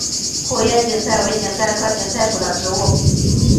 库页堇菜为堇菜科堇菜属的植物。